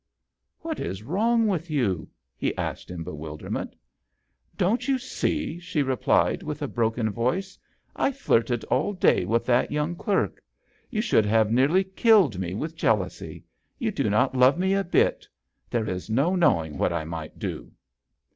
"What is wrong with you?"* he asked, in bewilderment. " Don't you see/* she replied, with a broken voice, " I flirted all day with that young clerk? You should have nearly killed me with jealousy. You do not love me a bit! There is no knowing what I might do